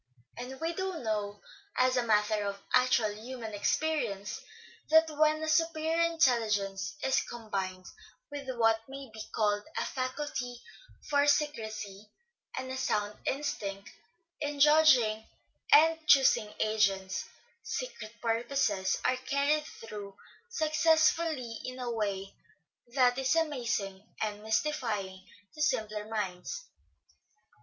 And we do know, as a matter of actual human experience, that when a superior intelligence is combined with what may be called a faculty for secrecy and a sound instinct in judging and choosing agents, secret purposes are carried through success fully in a way that is amazing and mystifying to simpler minds.